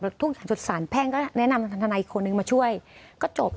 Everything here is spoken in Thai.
แล้วทุกอย่างสารแพ่งก็แนะนำทางทนายอีกคนนึงมาช่วยก็จบ